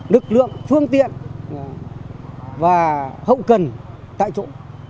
lực lượng phương tiện và hậu cần tại chỗ